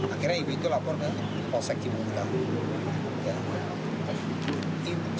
akhirnya ibu itu laporan konseksi buruk